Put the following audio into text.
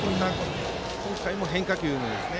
今回も変化球ですね。